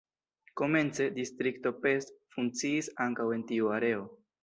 Komence „Distrikto Pest” funkciis ankaŭ en tiu areo.